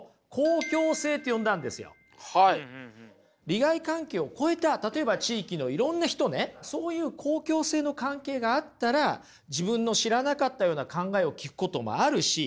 利害関係を超えた例えば地域のいろんな人ねそういう公共性の関係があったら自分の知らなかったような考えを聞くこともあるし。